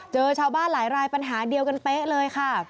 เจอชาวบ้านหลายรายปัญหาเดียวกันเป๊ะเลยค่ะ